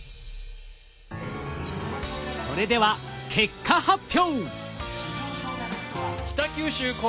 それでは結果発表！